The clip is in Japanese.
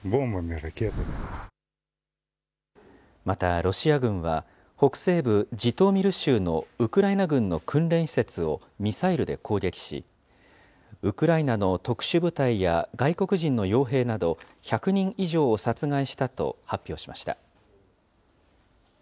またロシア軍は、北西部ジトーミル州のウクライナ軍の訓練施設をミサイルで攻撃し、ウクライナの特殊部隊や外国人のよう兵など１００人以上を殺害したと発表しました。